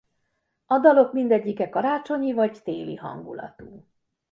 A dalok mindegyike karácsonyi vagy téli hangulatú.